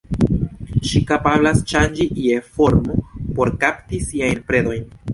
Ŝi kapablas ŝanĝi je formo por kapti siajn predojn.